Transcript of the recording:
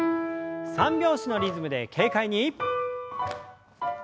三拍子のリズムで軽快に。